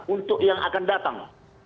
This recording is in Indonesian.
untuk yang akan datang